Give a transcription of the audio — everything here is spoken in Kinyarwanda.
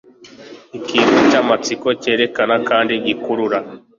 Ikintu cyamatsiko cyerekana kandi gikurura